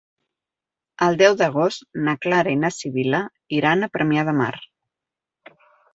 El deu d'agost na Clara i na Sibil·la iran a Premià de Mar.